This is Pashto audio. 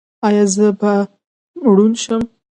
ایا زه به ړوند شم؟